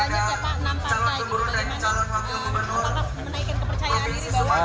dan menjaga kepercayaan